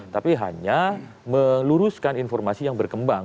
tapi hanya meluruskan informasi yang berkembang